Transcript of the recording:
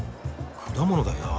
果物だよな。